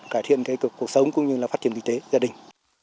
cải thiện cuộc sống và phát triển kinh tế gia đình